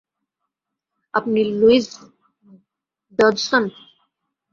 আপনি Lewis Dodgson?